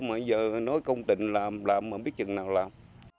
mà bây giờ nói công tình làm làm mà không biết chừng nào làm